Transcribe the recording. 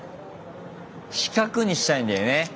四角にしたいんだよね。